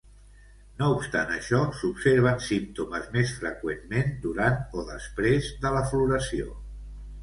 No obstant això, s'observen símptomes més freqüentment durant o després de la floració.